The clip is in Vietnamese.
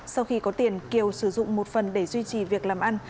sau khi có tiền kiều sử dụng một phần để duy trì việc làm ăn